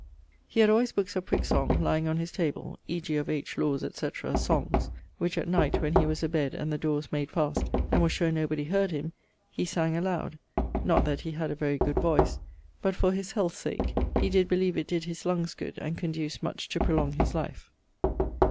_ He had alwayes bookes of prick song lyeing on his table: e.g. of H. Lawes' etc. Songs which at night, when he was abed, and the dores made fast, and was sure nobody heard him, he sang aloud (not that he had a very good voice) but for his health's sake: he did beleeve it did his lunges good, and conduced much to prolong his life.